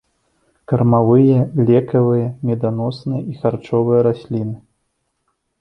Кармавыя, лекавыя, меданосныя і харчовыя расліны.